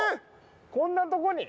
こんなとこに。